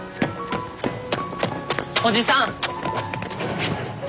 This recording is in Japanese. おじさん！